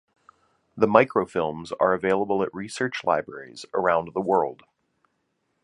The microfilms are available at research libraries around the world.